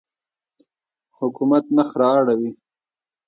حکومت مخ را اړوي.